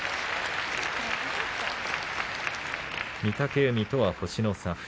御嶽海とは星の差